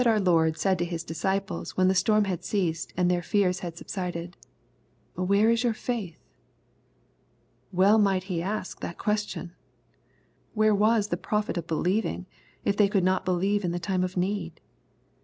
vm. 265 our Lord said to His disciples when the storm had ceased, and their fears had subsided, " Where^is your faith ?" Well might He ask that question ! Where was the pro fit of believing, if they could not believe in the time of need